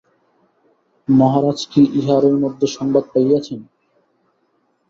মহারাজ কি ইহারই মধ্যে সংবাদ পাইয়াছেন?